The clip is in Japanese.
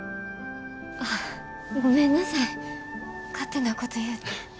ああごめんなさい勝手なこと言うて。